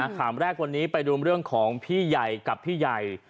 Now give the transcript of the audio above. ข่าวแรกวันนี้ไปดูเรื่องของพี่ใหญ่กับพี่ใหญ่